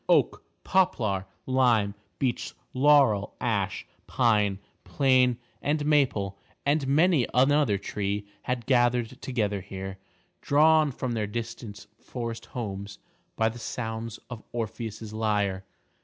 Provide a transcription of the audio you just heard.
Oak, poplar, lime, beech, laurel, ash, pine, plane and maple and many another tree had gathered together here, drawn from their distant forest homes by the sounds of Orpheus's lyre.